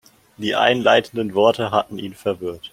Die einleitenden Worte hatten ihn verwirrt.